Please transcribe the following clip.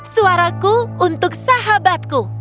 suaraku untuk sahabatku